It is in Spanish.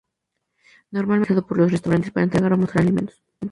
Normalmente es utilizado por los restaurantes para entregar o mostrar alimentos.